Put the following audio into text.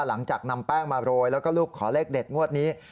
หลังจากนำแป้งมาโรยแล้วก็รูปขอเลขเด็ดงวดนี้